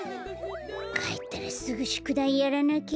かえったらすぐしゅくだいやらなきゃ。